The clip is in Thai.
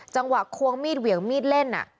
จังหวะควงมีดเหวียงมีดเล่นอะ